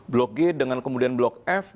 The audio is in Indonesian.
blok g dengan kemudian blok f